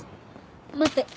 待って。